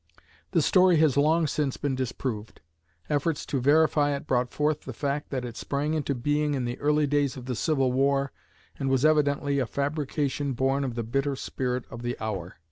The story has long since been disproved. Efforts to verify it brought forth the fact that it sprang into being in the early days of the Civil War and was evidently a fabrication born of the bitter spirit of the hour.